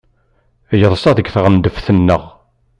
Yeḍsa deg tɣendeft-nneɣ.